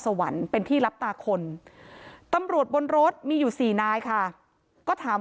สวรรค์เป็นที่รับตาคนตำรวจบนรถมีอยู่สี่นายค่ะก็ถาม